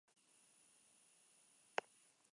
Se convirtió en uno de sus líderes.